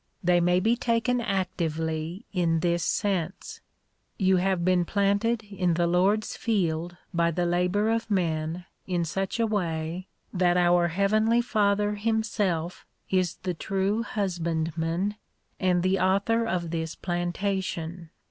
They may be taken actively in this sense :" You have been planted in the Lord's field by the labour of men in such a way, that our heavenly Father himself is the true Husbandman, and the Author of this plantation.